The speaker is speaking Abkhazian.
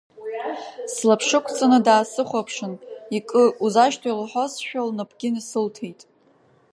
Слаԥшықәҵаны даасыхәаԥшын, икы, узашьҭои лҳәозшәа лнапгьы насылҭеит.